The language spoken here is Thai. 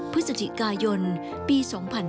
พฤศจิกายนปี๒๕๕๙